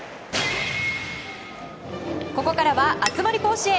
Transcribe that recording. ここから熱盛甲子園。